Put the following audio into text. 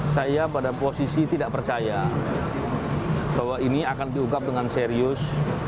saya pada posisi tidak percaya bahwa ini akan diungkap dengan serius